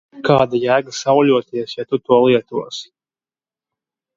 Kāda jēga sauļoties, ja tu to lietosi?